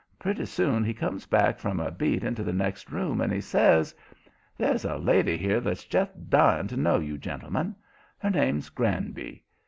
Pretty soon he comes back from a beat into the next room, and he says: "There's a lady here that's just dying to know you gentlemen. Her name's Granby.